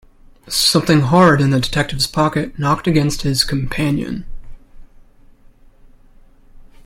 Something hard in the detective's pocket knocked against his companion.